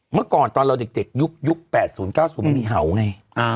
เมื่อก่อนตอนเราเด็กยุค๘๐๙๐มันมีเห่าไง